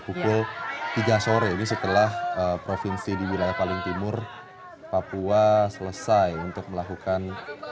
pukul tiga sore ini setelah provinsi di wilayah paling timur papua selesai untuk melakukan